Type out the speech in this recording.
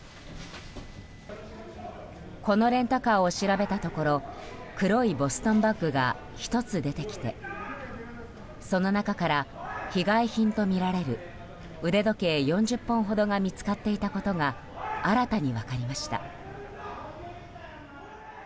このレンタカーを調べたところ黒いボストンバッグが１つ出てきてその中から被害品とみられる腕時計４０本ほどが見つかっていたことが新たに分かりました。